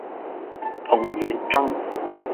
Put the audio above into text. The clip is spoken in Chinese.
彭彦章。